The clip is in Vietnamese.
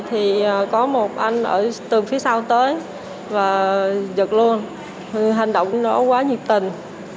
thì có một anh ở tường phía sau tới và giật luôn hành động của nó quá nhiệt tình